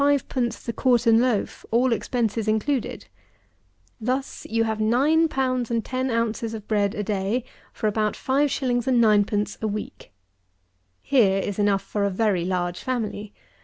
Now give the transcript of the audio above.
_ the quartern loaf, all expenses included; thus you have nine pounds and ten ounces of bread a day for about 5_s._ 9_d._ a week. Here is enough for a very large family.